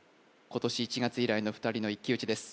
今年１月以来の２人の一騎打ちです